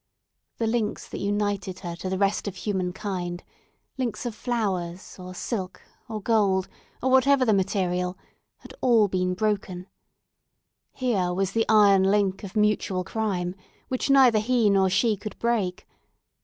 The links that united her to the rest of humankind—links of flowers, or silk, or gold, or whatever the material—had all been broken. Here was the iron link of mutual crime, which neither he nor she could break.